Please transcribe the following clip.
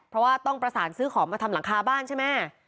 เพราะว่าต้องประสานซื้อของมาทำหลังคาบ้านใช่ไหม